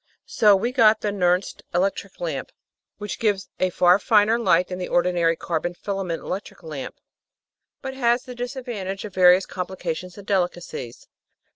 So we got the Nernst electric lamp, which gives a far finer light than the ordi nary carbon filament electric lamp, but has the disadvantage of various complications and delicacies.